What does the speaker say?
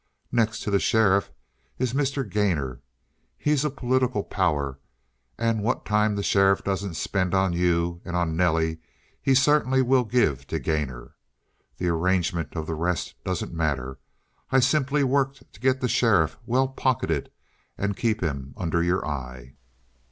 Next to the sheriff is Mr. Gainor. He's a political power, and what time the sheriff doesn't spend on you and on Nelly he certainly will give to Gainor. The arrangement of the rest doesn't matter. I simply worked to get the sheriff well pocketed and keep him under your eye."